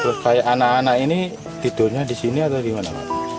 terus kayak anak anak ini tidurnya di sini atau di mana mbak